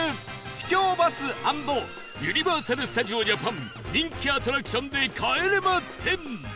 秘境バス＆ユニバーサル・スタジオ・ジャパン人気アトラクションで『帰れま１０』